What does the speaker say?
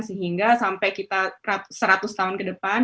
sehingga sampai kita seratus tahun ke depan